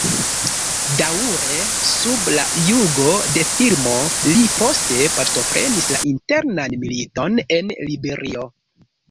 Daŭre sub la jugo de Firmo, li poste partoprenis la internan militon en Liberio.